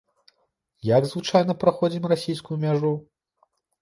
Як звычайна праходзім расійскую мяжу?